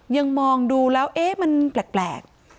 ยังมองดูแล้วเอ๊ะมันแปลก